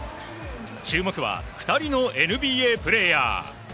注目は２人のＮＢＡプレーヤー。